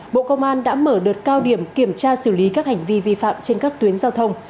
bộ công an đã mở đợt cao điểm kiểm tra xử lý các hành vi vi phạm trên các tuyến giao thông